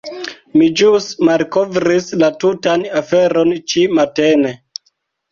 Mi ĵus malkovris la tutan aferon ĉi-matene.